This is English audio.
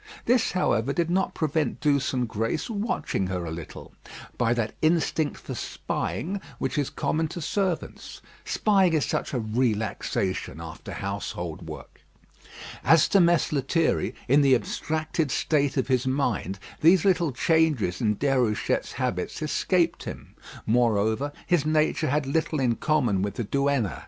This, however, did not prevent Douce and Grace watching her a little, by that instinct for spying which is common to servants; spying is such a relaxation after household work. As to Mess Lethierry, in the abstracted state of his mind, these little changes in Déruchette's habits escaped him. Moreover, his nature had little in common with the Duenna.